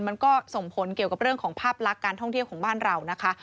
มันก็ส่งผลเกี่ยวกับเรื่องของภาพลักษณ์การท่องเที่ยวของบ้านเรานะคะ